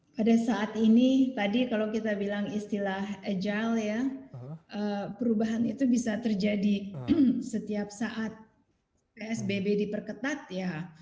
pada saat ini tadi kalau kita bilang istilah agile ya perubahan itu bisa terjadi setiap saat psbb diperketat ya